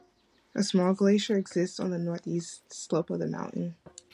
A small glacier exists on the northeast slope of the mountain.